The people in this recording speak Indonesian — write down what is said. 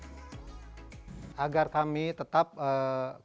agar kami tetap kegiatan kegiatan wisatawan ini berjalan dengan baik